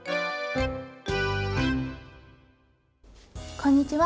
こんにちは。